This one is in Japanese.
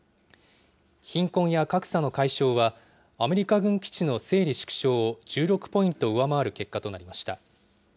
貧困や格差の解消は、アメリカ軍基地の整理・縮小を１６ポイント上回る結果となりました。